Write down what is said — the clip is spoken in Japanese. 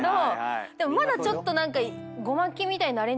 でもまだちょっと何か。